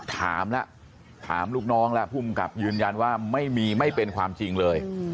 ถามแล้วถามลูกน้องแล้วภูมิกับยืนยันว่าไม่มีไม่เป็นความจริงเลย